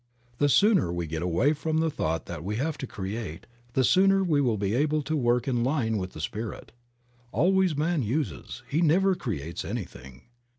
The sooner we get away from the thought that we have to create, the sooner we will be able to work in line with the Spirit. Always man uses ; he never creates anything.